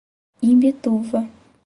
Imbituva